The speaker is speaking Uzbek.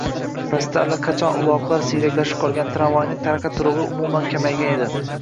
Pastda allaqachon ulovlar siyraklab qolgan, tramvayning taraqa-turugʻi umuman kamaygan edi